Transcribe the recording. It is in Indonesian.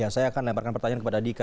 saya akan lemparkan pertanyaan kepada dika